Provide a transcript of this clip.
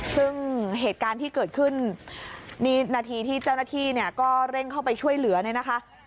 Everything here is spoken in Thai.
ซึ่งเหตุการณ์ที่เกิดขึ้นนี่นาทีที่เจ้าหน้าที่เนี่ยก็เร่งเข้าไปช่วยเหลือเนี่ยนะคะ